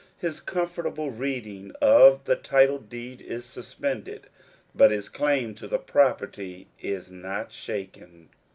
His comfortable reading of the title deed is suspended, but his claim to the property is not shaken.